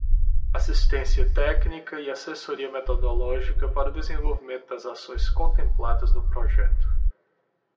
Assistência técnica e assessoria metodológica para o desenvolvimento das ações contempladas no projeto.